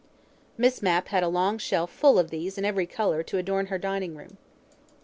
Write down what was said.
Miss Mapp had a long shelf full of these in every colour to adorn her dining room.